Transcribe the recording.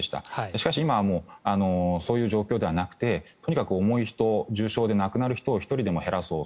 しかし今はもうそういう状況ではなくてとにかく重い人重症で亡くなる人を１人でも減らそう。